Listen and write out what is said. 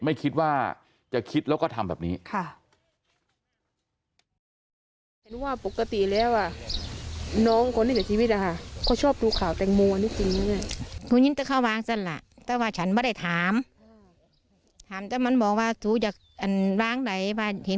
ไม่คิดว่าจะคิดแล้วก็ทำแบบนี้